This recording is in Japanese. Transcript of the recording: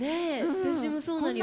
私もそうなのよ。